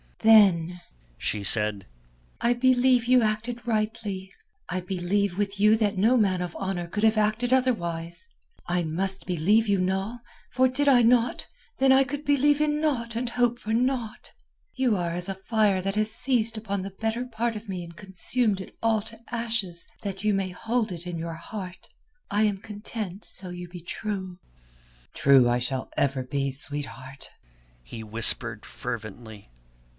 "Then," she said, "I believe you acted rightly. I believe with you that no man of honour could have acted otherwise. I must believe you, Noll, for did I not, then I could believe in naught and hope for naught. You are as a fire that has seized upon the better part of me and consumed it all to ashes that you may hold it in your heart. I am content so you be true." "True I shall ever be, sweetheart," he whispered fervently.